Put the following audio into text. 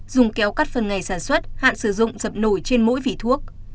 dùng kéo cắt phần ngày sản xuất hạn sử dụng dập nổi trên mỗi vỉ thuốc